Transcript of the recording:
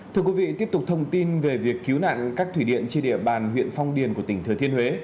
thưa quý vị tiếp tục thông tin về việc cứu nạn các thủy điện trên địa bàn huyện phong điền của tỉnh thừa thiên huế